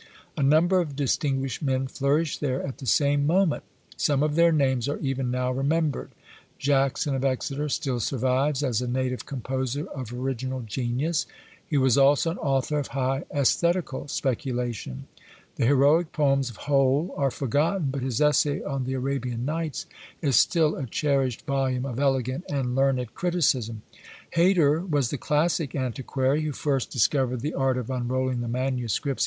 A number of distinguished men flourished there at the same moment: some of their names are even now remembered. Jackson of Exeter still survives as a native composer of original genius. He was also an author of high æsthetical speculation. The heroic poems of Hole are forgotten, but his essay on the Arabian Nights is still a cherished volume of elegant and learned criticism. Hayter was the classic antiquary who first discovered the art of unrolling the MSS.